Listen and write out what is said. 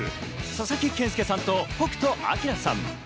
佐々木健介さんと北斗晶さん。